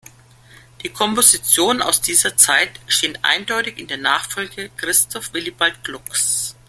Die Kompositionen aus dieser Zeit stehen eindeutig in der Nachfolge Christoph Willibald Glucks.